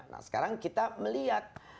nah sekarang kita melihat